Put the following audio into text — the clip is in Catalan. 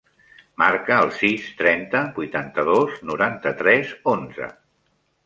Marca el sis, trenta, vuitanta-dos, noranta-tres, onze.